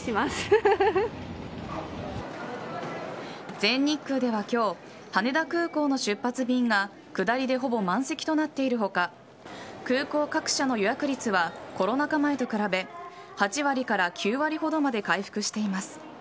全日空では今日、羽田空港の出発便が下りでほぼ満席となっている他空港各社の予約率はコロナ禍前と比べ８割から９割ほどまで回復しています。